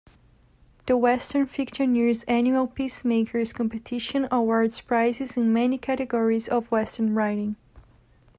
The Western Fictioneers' annual Peacemakers competition awards prizes in many categories of Western writing.